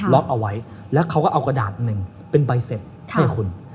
เอาไว้แล้วเขาก็เอากระดาษหนึ่งเป็นใบเสร็จให้คุณ